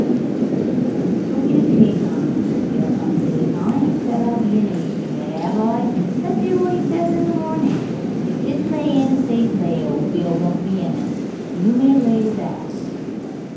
"Don't you take on," said Beale comfortably; "I ain't said I'll be in anything yet, 'ave I? Let's 'ear what 'e says in the morning. If 'is lay ain't a safe lay old Beale won't be in it you may lay to that."